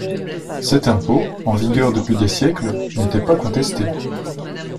Cet impôt, en vigueur depuis des siècles, n'était pas contesté.